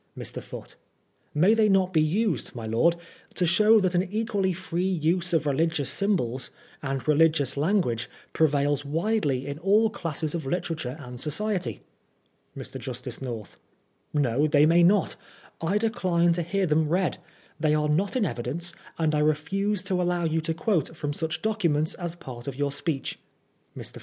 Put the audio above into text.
Mr. Foote : May they not be used, my lord to show that an equally free use of religious symbols, and religious language, prevails widely in all elates of literature and society ? Mr. Justice North : No they may not I decline to hear them read. They are not in evidence, and I refuse to allow you to quote from such documents as part of your speech. Mr.